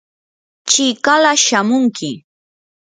chikala shamunki.